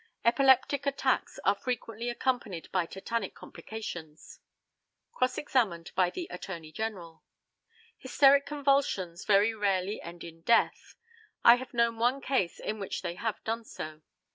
Epileptic attacks are frequently accompanied by tetanic complications. Cross examined by the ATTORNEY GENERAL: Hysteric convulsions very rarely end in death. I have known one case in which they have done so.